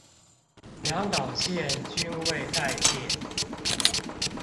兩導線均未帶電